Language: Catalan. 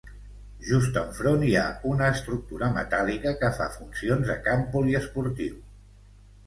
Just enfront hi ha una estructura metàl·lica que fa funcions de camp poliesportiu.